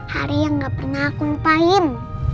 hari yang gak pernah aku lupain